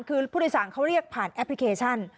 คือผู้โดยสารเขาเรียกผ่านแอปพลิเคชัน